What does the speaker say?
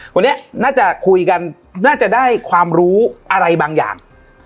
วันนี้น่าจะคุยกันน่าจะได้ความรู้อะไรบางอย่าง